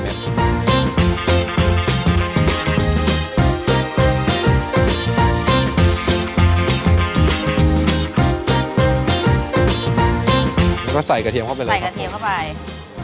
แล้วก็ใส่กระเทียมเข้าไปเลยครับผม